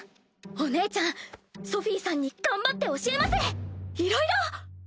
お姉ちゃんソフィさんに頑張って教えますいろいろ！